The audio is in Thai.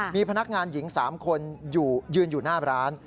มีพนักงานหญิง๓คนยืนอยู่หน้าร้าน